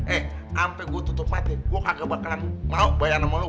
eh sampai gue tutup mata gue kagak bakalan mau baik sama lo